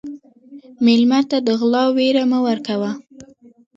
مېلمه ته د غلا وېره مه ورکوه.